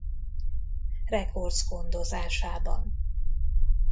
Records gondozásában.